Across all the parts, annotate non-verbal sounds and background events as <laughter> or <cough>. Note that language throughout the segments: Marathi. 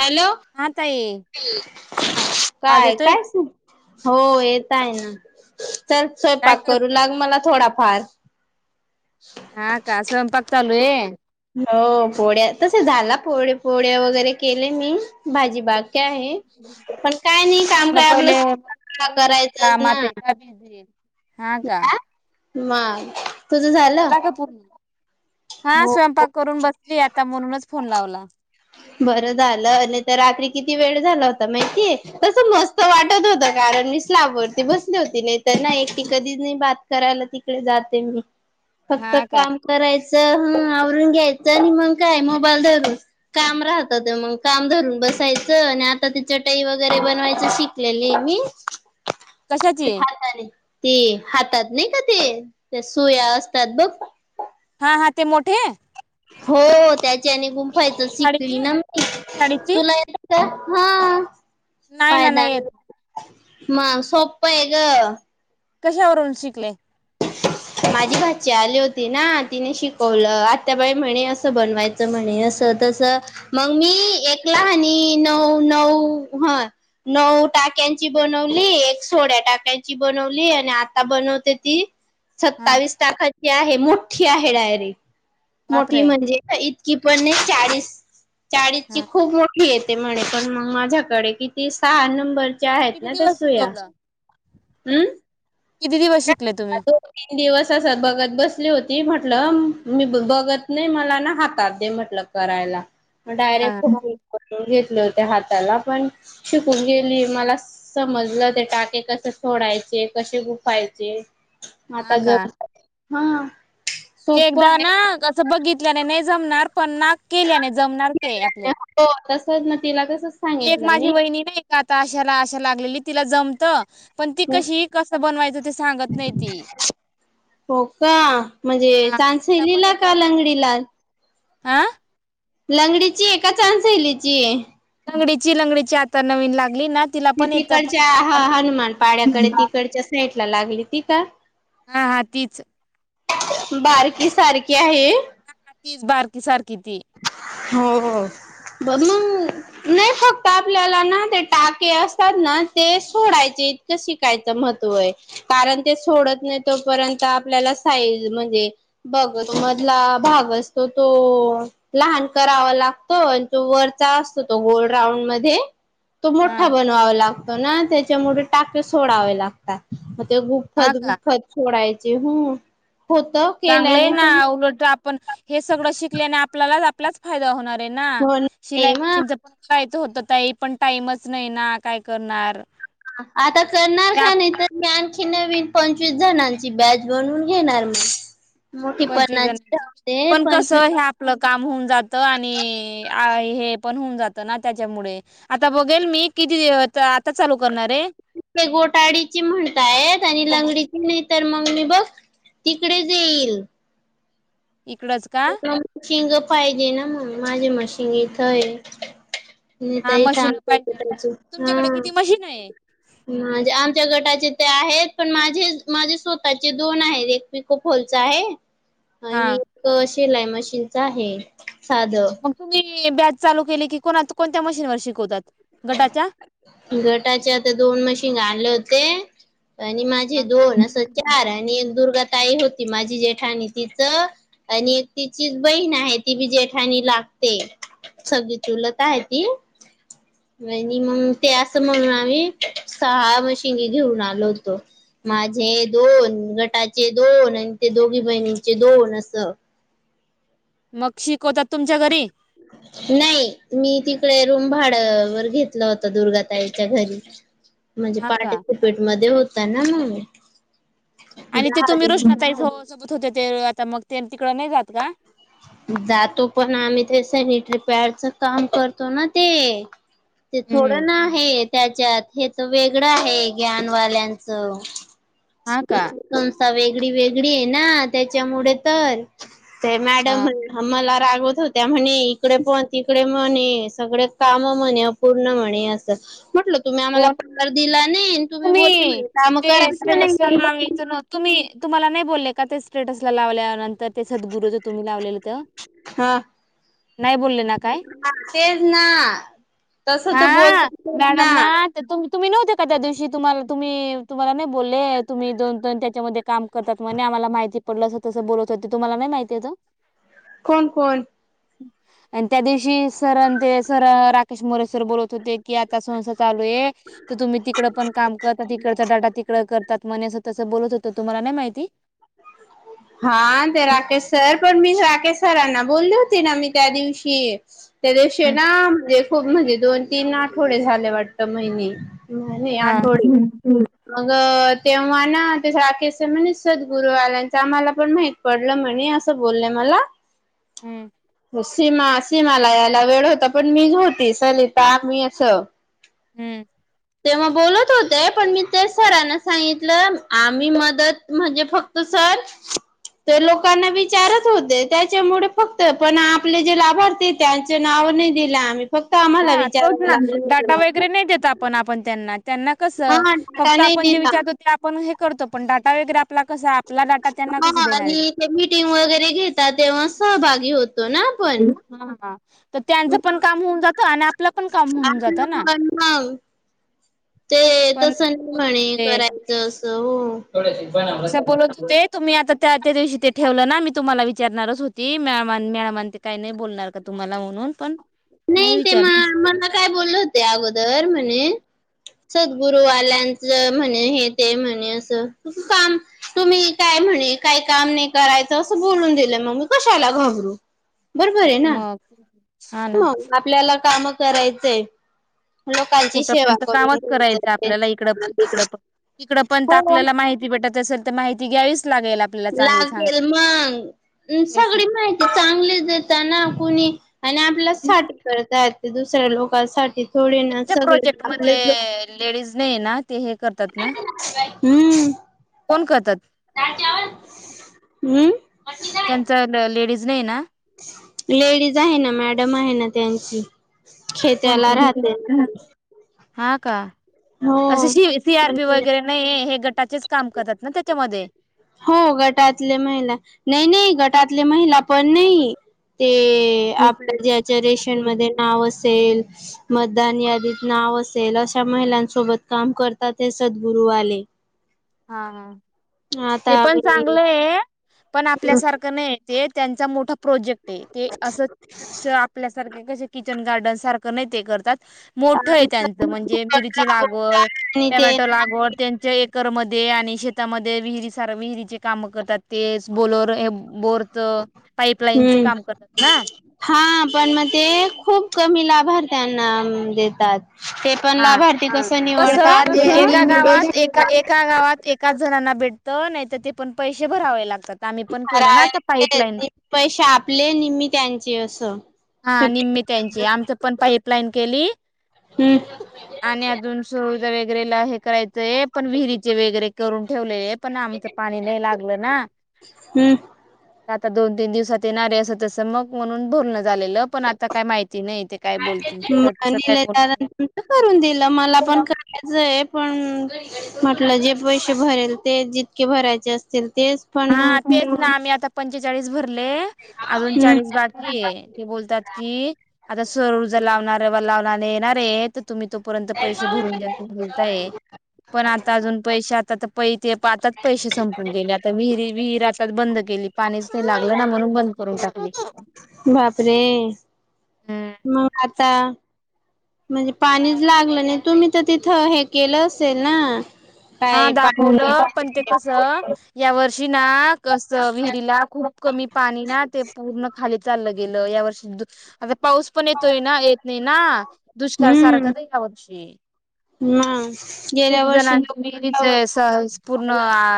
हॅल हा ताई बोला आवाज काय येतोय काय स हो येत आहे ना चल काय स्वयंपाक करू करताय? लाग मला थोडाफार हा का स्वयंपाक चालुय हो पोळ्या तसे झाला पोळ पोळ्या वगैरे केले मी भाजी बाग आहे पण काय नाही काम म्हटलं काय आपलं पहिले विचारून घेते करायचं ना कामात आहे का बिझी आहे. हा का मग तुझं झालं झाला का पूर् हा हो स्वयंपाक करून बसली आता म्हणूनच फोन लावला बर झालं आणि तर रात्री किती वेळ झाला होता माहितीय तस मस्त वाटत होत कारण मी स्लाबवरती बसली होती नाही तर ना एकटी कधी नाही बात करायला तिकडे जाते मी फक्त हा का काम करायचं हं आवरून घ्यायचं आणि मग काय मोबाईल धर काम राहतात मग काम धरून बसायचं आणि आता त चटाई वगैरे बनवायच शिकलेले मी कशाची ते हातले ते हातात नाही का ते सुया असतात बघ हा हा ते मोठे हो त्याच्याने गुंफायचं आणि शिकली साडीची ना मी साडीची तुला येत का हा नाही ना नाही येत म सोप आहे ग कशावरवरून शिकले माझी भाची आली होती ना तिने शिकवलं आता बाई म्हणे असं बनवायचं म्हणे अस तस मग मी एकला हनी नऊ नऊ ह नऊ टाक्यांची बनवली एक सोड्या टाक्यांची बनवली आणि आता बनवते ती हा सत्तावीस तारखांची आहे मोठी आहे डायरी मोठी बापरे म्हणजे इतकी पण नाही चाळीस चाळीस ची हा खूप मोठी येते म्हणे पण मग माझ्याकडे किती सहा नंबर च आहेत किती ना त्या दिवस सूया शिकवलं हम् किती दिवस शिकले का तुम्ही दोन तीन दिवस असत बघत बस होती म्हटलं मी बघत नाही मला ना हातात दे म्हटलं करायला मग हा डायरेक्ट फोटोून घेतलं त्या हाताला पण शिकून गेली मला समजलं ते टाके कस सोडायचे कसे खूप खायचे हा आता ज का हा सोप एकदा ना आहे असं बघितल्याने नाही जमणार पण ना केल्या नाही जमणार ते आपल्याला हो तसच ना तिला तसच एक सांगितलं माझी मी वहिणी नाही का आता अशाला लागलेली तिला जमत पण ती कशी कस बनवायचं ते सांगत नाही ती हो का म्हणजे हा चांसलीला का लंगडीला आा लंगडीची आहे का चछान शैलीची आहे ंगडीची लंगडीची आता नवीन लाग तिकडच्या हा हनुमान पाड्याकडे हा तिकडच्या सेटला लागली ती का हा हा तीच बारकी सारखी आहे. ती बारकी सारखी ती हो हो. ब मग नाही फक्त आपल्याला ना ते टाके असतात ना, ते सोडायचे. शिकायच मह कारण ते सोडत नाही तोपर्य आपल्याला बघ मधला भाग असतो तो लहान करावा लागतो आणि तो वरचा असतो तो गोोल राऊंड मध्ये तो हा मोठा बनवावा लागतो ना त्याच्यामुळे टाके सोडावे लागतात. ते हा गुफ्फत का. गुफ्फत सोडायचे ह चांगलं आहे ना उलट आप हे सगळं शिकल्याने आपल्याला आपलाच फायदा होणार आहे ना हो शिला ना मशीनच पण होत तई पण टाईमच नाही ना काय करणार. आता करणार हे का आप नाही तर्ञ आण नवीन पंचवीस जणांची बॅच बनवून घेणार मग मोठी पंचवीस पन्नाची जणांची राहते पण कस पंचवीस हे आपलं का होऊन जात पण होऊन जात त्याच्यामुळे आता बघ मी <unintelligible> चालू करणार आहे. ते गोटाडीची म्हणताय आणि लंगडीची नाही तर मग मी बघ. तिकडे जा येईल. इकडच का कि ग पाहिजे ना मग माझे मग शिंग इथं आहे. नाही हा तही मशीन छांगतयच पाहिजे ना त्याच हा तुमच्याकडे किती मशीन आहे माझे आमच्या गटाचे ते आहेत पण माझे माझे स्वतःचे दोन आहेत एक पिको फोल होते आहे, आणि हा. एक शिलाई मशीनचा आहे, साध. मग तुम्ही बॅच चालू केली कि को कोणत्या मशीन वर शिकवतात, गटाच्या गटाचे आता दोन मशीन आणलं होते होते. आणि माझे दोन असं चार हम्म आणि दुर्गाताई हो ती माझी जेठानी तिच आणि एक तिचीच बहीण आहे, ती बी जेठाणी लागते. सगी च चुलत आहे ती आणि मग ते असं म्हणून आम्ही सहा मशीिनी घेऊन आलो होतो. माझे दोन गटाचे दोन आणि ते दोघी बहिणीचे दोन असं. मग शीट नाही मी ति तकडे रूम भाड वर घेतलं होत दुर्गाताईच्या घरी म्हणजे हा का पार्टिसिपेट मध्ये होत ना म्मी आणि ते तुम्ही रोष्णाताईथ सोबत होते ते, आता मग ते तिकडडे नाही जात का. जातो पण आम्ही ते सॅनिटरी पॅडच काम करतो ना ते, ते हम्म थोडं ना आहे त्याच्यात हे तर वेगळं आहे, ज्ञानवाल्यांच हा का वेगळी वेगळी आहे ना, त्याच्यामुळे तर मॅडम हा आम्हाला रागव होत्या म्हणे इकडे पण तिकडे म्हणे सगळे काम म्हणे अपूर्ण म्हणे असं म्हटलं तुम्ही आम्हाला कोण पार दिला नाही, तुम्ही बोलताय म्ह ने काम ते करायचं स्टेटसला नाही. लावायचं न तुम्ही तुम्हाला नाही बोलले का ते स्टेटस लावल्यांतर तर ते सद्गुगु रु ज तुम्ही लावलेलंत. हा नाही बोलले ना काय, तेच ना तस हा तर आ बोलतातच ना मॅडम तुम्ही नव्हते का त्या दिवशी तुम्हाला तुम्ही तुम्हाला नाही बोलले तुम्ही दोन दन त्याच्यामध्ये काम करतात म्हने आम्हाला माहिती पलं असं तसं बोलत तर ते तुम्हालातिथं नाही माहिती येत. कोण कोण. आणि त्या दिवशी सर ते सर राकेश मोरे सर बोलत होते की, आता स चालू आहे, तर तुम्ही तिकड पण काम करता तिकडचा डाटा तिकड करतात म तसं बोलत हो तर तुम्हाला नाही माहिती. हा ते राकेश सर पण मी राकेश सरांना बोलले होते, ना मी त्या दिवशी त्या दिवशी ना म्हणजे खूप म्हणजे दोन तीन. आठवडे झाले वाटत महिने म्ह हा आठवडे हम्म मग. तेव्हा ना ते राखेश सर म्हणे सर. फुलवाल्याचा मला पण माहित पडलं म्हणे असं बोलले मला. हो सीमास. मला यायला वेळ होता, पण मी होती सलिता मी असं. हम्म तेव्हा बोलत होत. ते पण मी ते सरांना सांगितलं आम्ही मदत म्हणजे फक्त सर. तर लोकांना विचारत होते, त्याच्यामुळे फक्त पण आपले जे लाभार्थी त्यांच नाव. हो नाही दिला आम्ही. फक्त आम्हाला हा तोच विचारावं ना लागलं डाटा होतं वगैरे नाही देत आपण आपण त्यांना. त्यांना कस हा डाटा फक्त नाही आपण जे दिला विचारतो ते आपण हे करतो पण डाटा वगैरे आप हा आणि ते मीटिंग वगैरे घेेतात तेव्हा सहभागी होत. तो ना आपण. हा तर मी त्यांचं पण काम होऊन जातं आणि आपलं पण काम आ होऊन जातं प ना <unintelligible> ते पण तस नाही बोलत म्हणे करायचं असं हो. थोडशी बनवलं असा सगळं बोलत होते, तुम्ही आता त्या. त्या दिवशी ते ठेवलं ना मी तुम्हाला विचारणारच होती, मॅम आण मॅडमन आण ते काही नाही बोलणार का, तुम्हाला म्हणून पण. नाही ते म मला काय बोललं होते, अगोदर म्हणे. सद्गुरुवाल्यांच म्हणे हे ते म्हणे अस काम तुम्ही काय. म्हणे काही काम नाही करायचं असं बोलून दिलं मग्मी कशाला घाबरू. बरोबर आहे ना मग हा. ना मग आपल्याला काम करायचंय. लोकांची कुठं सेवा पण तर करून कामच करायचं घ्यायचंय आपल्याला, इकडं पण तिकड पण तिकडं पण हो आपल्याला माहिती भेटाय असल. ते माहिती घ्यावीस लागतेल मग तेच ना सगळी माहिती चांगली देताना कोुणी. आणि आपल्या साठी करता य ते दुसऱ्या लोकांसाठी. थोडे ना त्यांच्या सगळे प्रोजेक्ट आपले मध्ये लेडीज नाही ना ते हे करतात <unintelligible> ना हम्म. कोण करतात. <unintelligible> वर हम्म त्यांचा ल लेडीज नाही ना. लेडीज आहे ना मॅडम आहे, ना त्यांची. खेत्याला कोणती राहते. हा का. असं हो सी सी आर पण पी वगैरे नाही हे गटाचेच काम करतात ना त्याच्यामध्ये. हो गटातले महिला नाही नाही गटातले महिला पण नाही. ते आपल्या ज्याच्या रेशन हा मध्ये नाव अस असेल मतदान यादीत नाव असेल अशा महिलां सोबत काम करतात ते सद्गुरुवाले. हा हा ते पण आम्ही चांगलं आहे, पण आपल्यासारखं नाही ते. त्यांचा मोठा प्रोजेक्ट आहे, ते असं स आपल्यासारखे कसे किचन गार्डन सारख. कनाय ते करतात. मोठ आहे, त्यांच म्हणजे मिरची लागवड आणि ते टमॅटो लागवड त्यांच्या एकर मध्ये. ते आणि शेतामध्ये विहिरी सार विहिरीचे काम करतात तेच बोलर हे. बोरचं, पाईपलाईनचं हम्म काम करतात ना? हा. पण मग ते खूप कमी लाभार्थ्यांना देतात. ते पण हा. लाभार्थी कसं कस? निवडतात ते एका निम्मी पैसे गावात एका -एका गावात एकाच जणांना भेट- त नाही तर ते पण पैसे भरावे लाग- पैसे आपले निम्मे त्यांचे असं. हा. फिफ्टी निम्मे त्यांचे. आमचं पण पाईप लाईन केली- हम्म आणि अजून सोय - वेगरे हे करायचंय. पण विहिरीचे वगैरे करून ठेवलेयेत - पण आमचं पाणी नाही लागलं ना. हम्म तर दोन तीन दिवसात येणारे. असं तसं मग म्हणून बोलणं झालेलं. पण आता काय माहिती नाही. ते काय बोलतील तस काय बोलणार- निलेदारान च आहे. पण म्हटलं जे पैसे भरेल ते जितके भरायचे असतील- तेच पण मग हा तेच ना. आम्ही आता पंचवीस - चाळीस भरले अजून चाळीस हम्म बाकीये ते बोलतात की आता - सरूजर लावणारे व लावणारे येणारेत. तुम्ही तोपर्यंत पैसे भरून द्या अस बोलताय. पण आता अजून पैसे आता पै- ते आाताच पैसेे संपून गेले. आता विहिरी -विहीर आताच बंद केली. पाणीच नाही लागलं ना म्हणून बंद- करून टाकली. बापरे! हम्म म आता? म्हणजे पाणीच लागलं नाही. तुम्ही तर तिथं हे केलं असेल ना? हा. काय पाणी दाखवलं पण ते कस या वर्षी- तीना कसं विहिरीला खूप कमी पाणी ना ते पूर्ण खाली- चाललं गेलं या वर्षी. पाऊस पण येतोय ना? येत नाही ना. दुष्काळ हम्म सारखंच आहे यावर्षी. पाऊस गेल्या वर्षी- स पूर्ण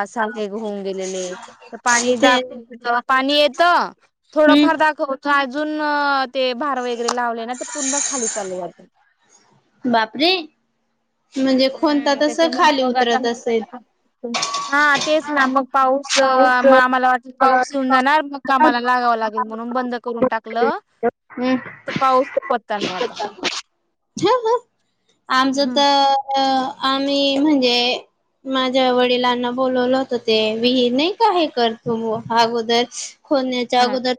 असहाय होऊन गेलेले तर पाणी ते दा- आणि येत. हम्म थोडंफार दाखवत अजून ते भार वगैरे लावले ना? पुन्हा खाली चालल जातय. बापरे म्हणजे कोणता हम्म तसं खाली उतरत असेल. त्याच्यामुळं <unintelligible> हा तेच ना मग. पाऊस, आम्हाला वाटल मला पाऊस येऊन जाणार. मग कामाला लागावं लागेल. म्हणून बंद करून टाकलं- हम्म त पाऊस पत्ता नाही आता. आमचं तर- आम्ही -म्हणजे माझ्या वडिलांना बोलवलं होत ते- विहिर नाही का हे करतो अगोदर खोदण्याच्या अगोदर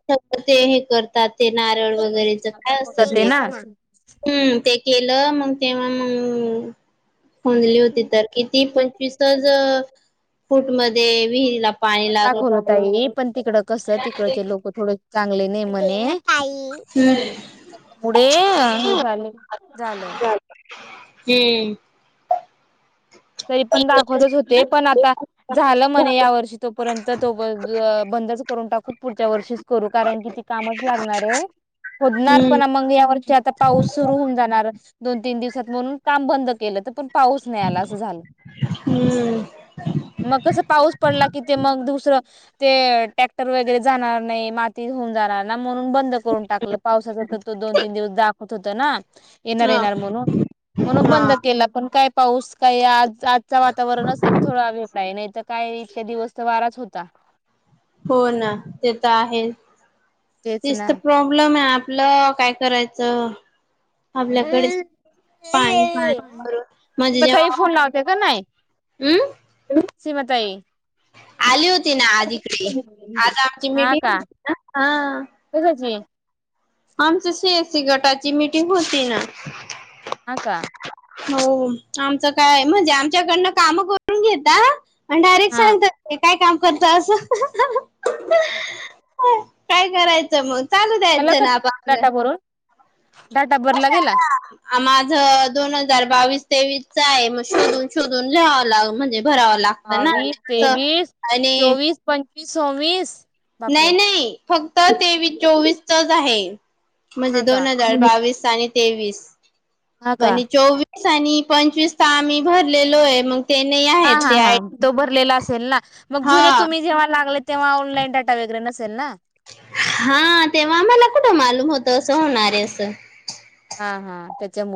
ते हे करतात. ते नारळ वगैरेच. काय दाखवतात असतं ते? ना. हम्म ते- केलं मग तेव्हा मग खंणली होती तर किती पंच ईस्ताज फूटमध्ये विहिरला- पण दाखवत आहे नी पण तिकडं कसं तिकडचे लोक थोडे चांगले नाही म्हणे. पुढे -हे झा झालं. हम्म. तरी पण दाखवतच होते. पण हम्म आता झालं म्हणे या वर्षी. तोपर्यंत तो वय ब - यंदाचं करून टाकू. पुढच्या वर्षीच करू, कारण की त कामच लागणार आहे, होणार पण मग या वर्षात- आता पाऊस सुरु होऊन जाणार दोन तीन दिवसात. म्हणून काम बंद केलं तर तिथून पाऊस नाही आला. झालं हम्म. <inaudible> मग कसं पाऊस पडला की ते मग धुसरं, ते टॅक्टर वगैरे जाणार नाही. माती होऊन जाणार ना, म्हणून बंद करून टाकलं पावसाचत दोन तीन दिवस दाखवत होत ना? येणार ह येणार म्हणून, म्हणून हा बंद केला पण काय पाऊस- काही आज आजचा वातावरणच थोडा वेगळा आहे. नाही तर काय इतक्या दिवस तर वाराच होता. <inaudible> <unintelligible> हो ना ते तर आहे तेच तेचं ना तर प्रॉब्लेम आहेना आ आपलं काय करायचंय आपल्याकडेच पाणी पाणी भरून म्हंजे सीमाताई जेंव्हा फोन लावते का नाही हम् सीमाताई आली होती ना आज ईकडे आज आमची हा मिटिंग का होती ना. हा कशाची आमच्या शेतीच्या... गटाची मिटिंग होती ना. हा का हो आमचं काय म्हणजे आमच्याकडुन काम करून घेता. आणि डायरेक्टर हा सांगतात की काय कामं करत असं हा का काय करायचं मंग चालूं झालं द्यायचंय का नां आप आपलं. डाटा भरून डाटा भरला गेला. माझं दोन हजार बावीस तेवीसच आहे मंग शोधून शोधून ल्यावा लिवालाग म्हणजे भरावं लागतं ना बावीस, असं तेवीस, चोवीस, पंचवीस, सव्वीस नाहीं बापरे नाहीं फक्त तेवीस चोवीसचच आहे. म्हणजे हा का दोन हजार बावीस आणि तेवीस हा का आणि चोवीस आणि पंचवीसच आम्हीं भरलेलो आहे मंग हा हा हा तो भरलेला असं तील ना, मंग हा जुने तुम्हीं जेव्हा लीहालागले तेव्हा ऑनलाईन डाटा वगैरे नसेल ना? हा तेंव्हा आम्हांला कुठं मालूम होतंय असं होणार आहे असं. हा हा त्यांच्या मुळं